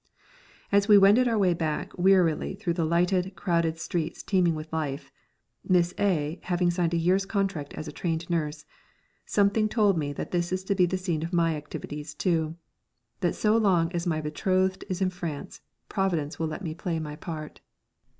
As we wended our way back wearily through the lighted, crowded streets teeming with life (Miss A having signed a year's contract as a trained nurse), something told me that this is to be the scene of my activities too; that so long as my betrothed is in France, Providence will let me play my part.